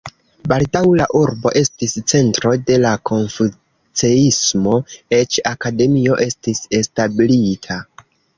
Baldaŭ la urbo estis centro de la konfuceismo, eĉ akademio estis establita.